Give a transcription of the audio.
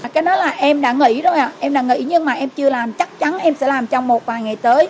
cái đó là em đã nghĩ rồi ạ em đã nghĩ nhưng mà em chưa làm chắc chắn em sẽ làm trong một vài ngày tới